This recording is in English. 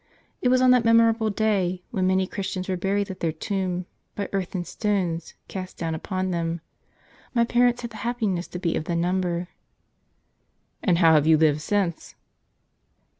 It was on that memorable day, when many Christians were buried at their tomb, by earth and stones cast down upon them. My parents had the happiness to be of the number." " And how have you lived since